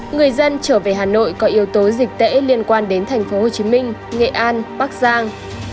người dân trở về hà nội có yếu tố dịch tễ liên quan đến tp hcm nghệ an bắc giang